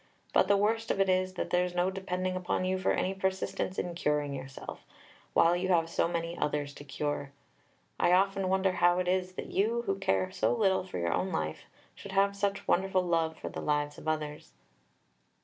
But the worst of it is, that there's no depending upon you for any persistence in curing yourself, while you have so many others to cure. I often wonder how it is that you who care so little for your own life should have such wonderful love for the lives of others."